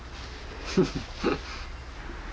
フフフッ。